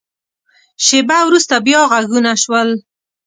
شیبه وروسته، بیا غږونه شول.